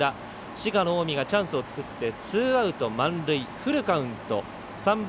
滋賀の近江がチャンスを作ってツーアウト満塁、フルカウント３番